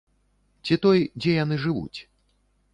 Ці той, дзе яны жывуць?